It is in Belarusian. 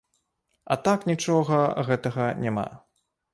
А так нічога гэтага няма.